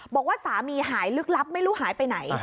บอกว่าสามีหายลึกลับไม่รู้หายไปไหน